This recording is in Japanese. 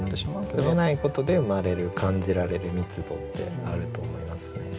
詰めないことで生まれる感じられる密度ってあると思いますね。